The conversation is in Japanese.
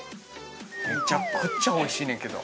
めちゃくちゃおいしいねんけど。